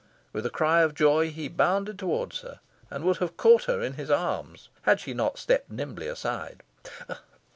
With a cry of joy, he bounded towards her, and would have caught her in his arms, had she not stepped nimbly aside.